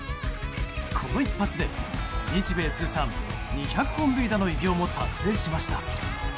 この一発で日米通算２００本塁打の偉業も達成しました。